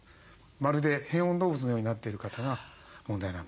まるで変温動物のようになっている方が問題なんです。